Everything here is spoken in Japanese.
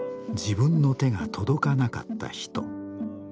自分の手が届かなかった人。